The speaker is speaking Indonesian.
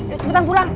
yuk cepetan pulang